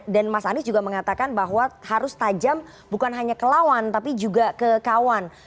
dan mas anies juga mengatakan bahwa harus tajam bukan hanya ke lawan tapi juga ke kawan